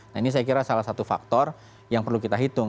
nah ini saya kira salah satu faktor yang perlu kita hitung